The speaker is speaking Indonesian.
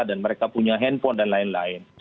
dan mereka punya handphone dan lain lain